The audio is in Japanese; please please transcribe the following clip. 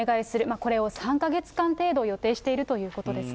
これを３か月間程度、予定しているということですね。